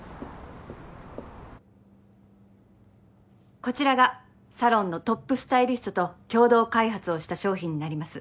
こちらがサロンのトップスタイリストと共同開発をした商品になります。